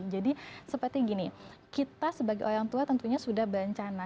jadi seperti gini kita sebagai orang tua tentunya sudah berencana